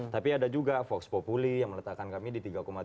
tapi ada juga vox populi yang meletakkan kami di tiga tujuh